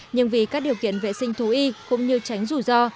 nhưng vì các điều kiện vệ sinh thú y cũng như tránh rủi ro